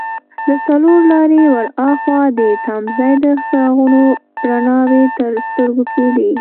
له څلور لارې ور هاخوا د تمځای د څراغونو رڼاوې تر سترګو کېدې.